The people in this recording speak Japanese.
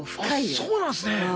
あっそうなんすね。